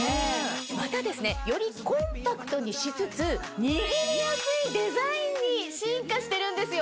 またよりコンパクトにしつつ握りやすいデザインに進化してるんですよ。